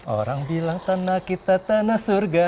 orang bilang tanah kita tanah surga